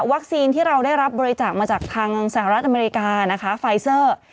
วัคซีนที่เราได้รับบริจักษ์มาจากทางสหรัฐอเมริกาไฟซัร